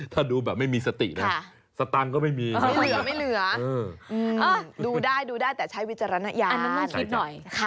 ถ้าดูแบบไม่มีสตินะสตังก็ไม่มีไม่เหลือดูได้แต่ใช้วิจารณญาณอันนั้นคิดหน่อย